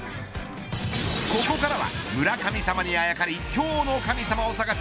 ここからは村神様にあやかり今日の神様を探す